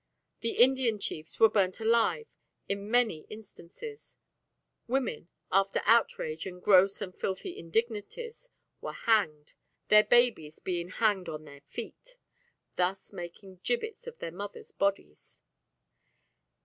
The Indian chiefs were burnt alive in many instances; women, after outrage and gross and filthy indignities, were hanged, their babies being hanged on their feet thus making gibbets of the mothers' bodies.